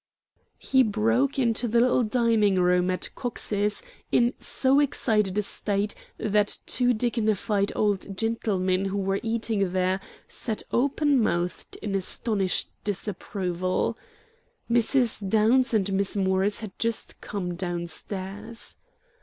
He broke into the little dining room at Cox's in so excited a state that two dignified old gentlemen who were eating there sat open mouthed in astonished disapproval. Mrs. Downs and Miss Morris had just come down stairs.